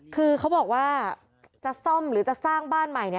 คือเขาบอกว่าจะซ่อมหรือจะสร้างบ้านใหม่เนี่ย